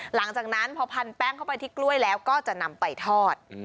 หลังจากนั้นพอพันแป้งเข้าไปที่กล้วยแล้วก็จะนำไปทอด